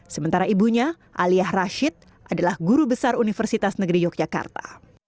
sementara ibunya alia rashid adalah guru besar universitas negeri yogyakarta